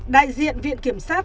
đại diện viện kiểm sát